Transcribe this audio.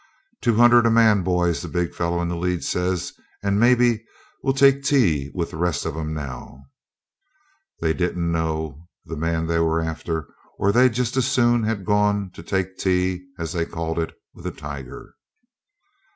'Two hundred a man, boys,' the big fellow in the lead says; 'and maybe we'll take tay with the rest of 'em now.' They didn't know the man they were after, or they'd have just as soon have gone to 'take tea', as they called it, with a tiger.